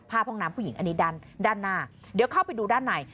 ห้องน้ำผู้หญิงอันนี้ด้านด้านหน้าเดี๋ยวเข้าไปดูด้านใน